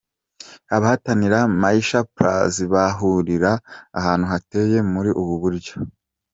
Abahatanira Maisha plus bahurira ahantu hateye muri ubu buryo.